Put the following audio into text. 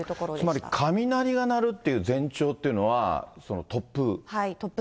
つまり雷が鳴るっていう前兆というのは、突風？